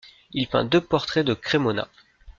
Il peint deux portraits de Cremona.